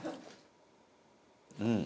うん。